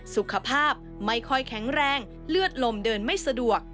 สุขภาพไม่ค่อยแข็งแรงเลือดลมเดินไม่สะดวก